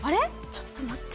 ちょっと待って。